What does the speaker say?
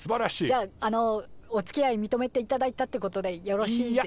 じゃああのおつきあい認めていただいたってことでよろしいで。